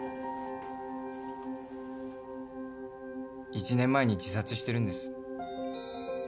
１年前に自殺してるんです。